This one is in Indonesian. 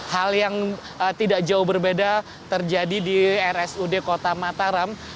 hal yang tidak jauh berbeda terjadi di rsud kota mataram